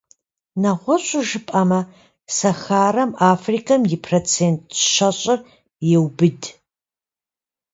Нэгъуэщӏу жыпӏэмэ, Сахарэм Африкэм и процент щэщӏыр еубыд.